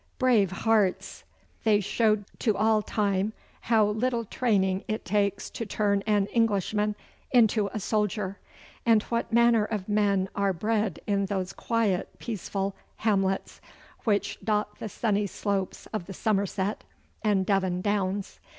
Brave hearts! They showed to all time how little training it takes to turn an Englishman into a soldier, and what manner of men are bred in those quiet, peaceful hamlets which dot the sunny slopes of the Somerset and Devon downs.